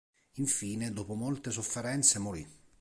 Infine, dopo molte sofferenze, morì.